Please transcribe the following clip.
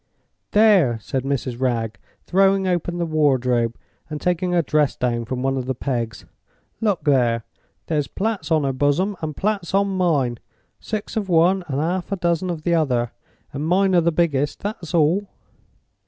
"There!" said Mrs. Wragge, throwing open the wardrobe, and taking a dress down from one of the pegs. "Look there! There's plaits on her Boasom, and plaits on mine. Six of one and half a dozen of the other; and mine are the biggest—that's all!"